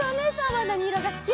はなにいろがすき？